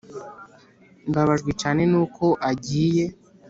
mbabajwe cyane nuko agiye